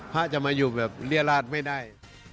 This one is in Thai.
พระจะมาอยู่แบบเรียราชไม่ได้